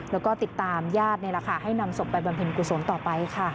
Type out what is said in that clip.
แล้วก็ติดตามญาติในราคาให้นำศพไปบรรพินกุศลต่อไปค่ะ